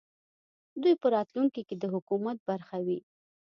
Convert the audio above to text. دوی په راتلونکې کې د حکومت برخه وي